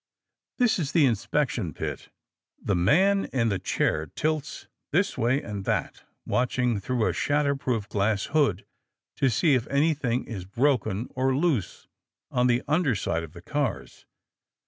This is the inspection pit. The man in the chair tilts this way and that, watching through a shatterproof glass hood to see if anything is broken or loose on the under side of the cars.